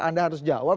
anda harus jawab